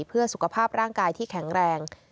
เพื่อสุขภาพร่างกายที่แข็งแรง